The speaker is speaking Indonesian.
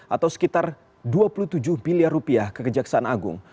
atau sekitar dua puluh tujuh miliar rupiah ke kejaksaan agung